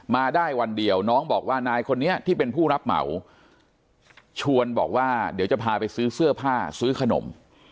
มาได้วันเดียวน้องบอกว่านายคนนี้ที่เป็นผู้รับเหมาชวนบอกว่าเดี๋ยวจะพาไปซื้อเสื้อผ้าซื้อขนม